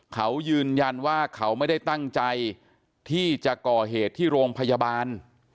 เขายืนยันว่าเขาไม่ได้ตั้งใจที่จะก่อเหตุที่โรงพยาบาล